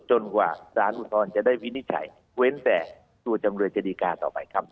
กว่าสารอุทธรณ์จะได้วินิจฉัยเว้นแต่ตัวจำเลยจะดีการต่อไปครับ